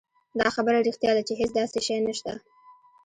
دا خبره رښتيا ده چې هېڅ داسې شی نشته.